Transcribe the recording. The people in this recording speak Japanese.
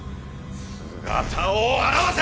姿を現せ！！